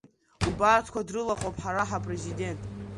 Убарҭқәа дрылаҟоуп ҳара Ҳапрезидент!